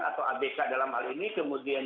atau abk dalam hal ini kemudian